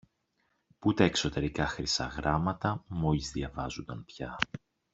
που τα εξωτερικά χρυσά γράμματα μόλις διαβάζουνταν πια.